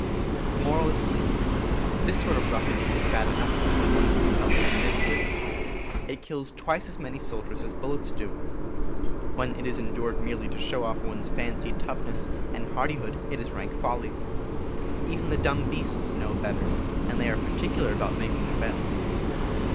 The moral is plain. This sort of roughing it is bad enough when one is compelled to submit to it. It kills twice as many soldiers as bullets do. When it is en dured merely to show off one's fancied toughness and hardihood it is rank folly. Even the dumb beasts know better, and they are particular about making their beds.